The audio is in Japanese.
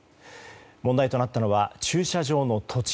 問題となったのは駐車場の土地。